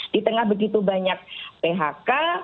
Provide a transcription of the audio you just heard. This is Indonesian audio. di tengah begitu banyak phk